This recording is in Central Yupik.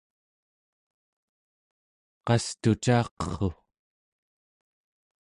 qastucaqerru